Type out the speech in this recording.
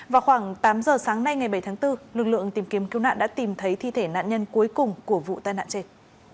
vào khoảng tám giờ sáng nay ngày bảy tháng bốn lực lượng tìm kiếm cứu nạn đã tìm thấy thi thể nạn nhân cuối cùng của vụ tai nạn trên